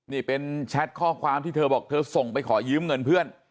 นี่เป็นแชทข้อความที่เธอบอกเธอส่งไปขอยืมเงินเพื่อน